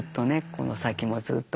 この先もずっと。